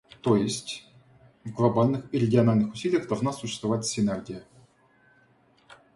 То есть, в глобальных и региональных усилиях должна существовать синергия.